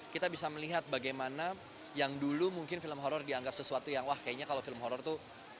kita bisa melihat bagaimana yang dulu mungkin film horror dianggap sesuatu yang wah kayaknya kalau film horror tuh